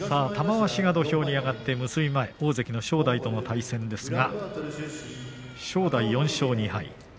玉鷲が土俵に上がって結び前大関の正代との対戦ですが正代は４勝２敗。